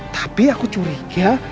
tapi aku curiga